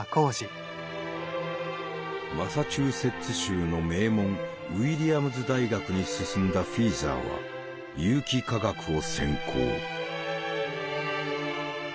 マサチューセッツ州の名門ウィリアムズ大学に進んだフィーザーは有機化学を専攻。